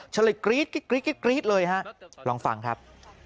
เธอเลยกรี๊ดเลยฮะลองฟังครับ